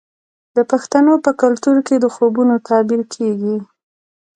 د پښتنو په کلتور کې د خوبونو تعبیر کیږي.